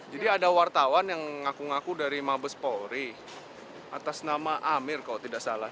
jadi ada wartawan yang ngaku ngaku dari mabes polri atas nama amir kalau tidak salah